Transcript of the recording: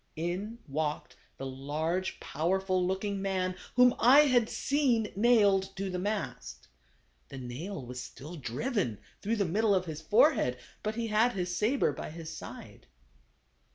In walked the large, powerful looking man whom I had seen nailed to the mast. The nail was still driven through the middle of his fore head, but he had his saber by his side.